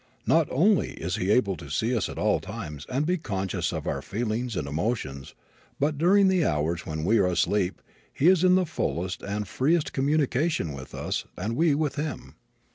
Not only is he able to see us at all times and be conscious of our feelings and emotions, but during the hours when we are asleep he is in the fullest and freest communication with us and we with him.